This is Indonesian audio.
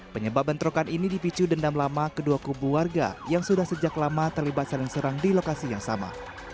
penyebab bentrokan ini dipicu dendam lama kedua kubu warga yang sudah sejak lama terlibat saling serang di lokasi yang sama